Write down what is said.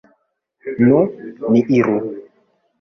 Nu, ni iru.